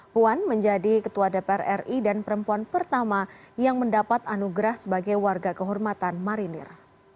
puan menjadi ketua dpr ri dan perempuan pertama yang mendapat anugerah sebagai warga kehormatan marinir